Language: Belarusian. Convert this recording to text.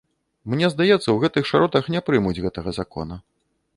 Мне здаецца, у гэтых шыротах не прымуць гэтага закона.